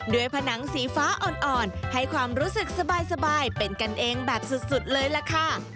ผนังสีฟ้าอ่อนให้ความรู้สึกสบายเป็นกันเองแบบสุดเลยล่ะค่ะ